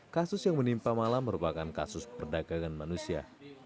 kasus yang menimpa mala merupakan kasus perdagangan manusia